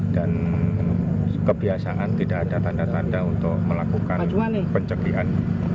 dan kebiasaan tidak ada tanda tanda untuk melakukan pencerdian